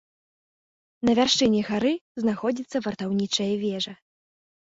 На вяршыні гары знаходзіцца вартаўнічая вежа.